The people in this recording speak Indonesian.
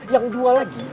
yang dua lagi